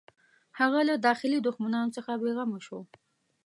هغه له داخلي دښمنانو څخه بېغمه شو.